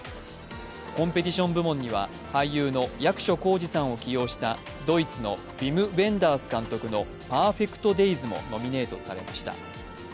コンペティション部門には俳優の役所広司さんを起用したドイツのヴィム・ヴェンダース監督の「ＰｅｒｆｅｃｔＤａｙｓ」もノミネートされました。